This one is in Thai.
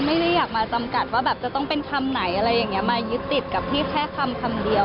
ผมไม่ได้อยากมาจำกัดว่าจะเป็นคำไหนมายึดติดกับที่แค่คำคำเดียว